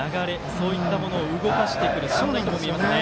そういったものを動かしていく意図も見えますね。